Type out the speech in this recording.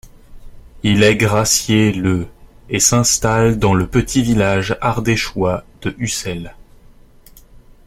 Il est gracié le et s'installe dans le petit village ardéchois de Ucel.